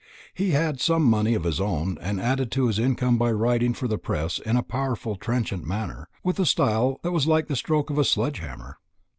He had some money of his own, and added to his income by writing for the press in a powerful trenchant manner, with a style that was like the stroke of a sledge hammer.